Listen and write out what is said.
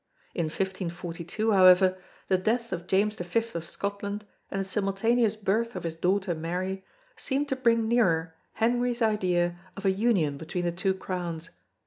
In 1542, however, the death of James V of Scotland and the simultaneous birth of his daughter Mary seemed to bring nearer Henry's idea of a union between the two crowns.